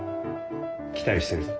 期待してるぞ。